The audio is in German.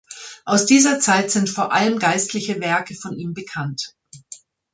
Aus dieser Zeit sind vor allem geistliche Werke von ihm bekannt.